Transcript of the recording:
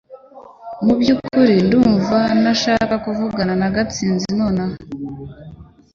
Mu byukuri ntabwo numva nshaka kuvugana na Gatsinzi nonaha